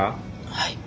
はい。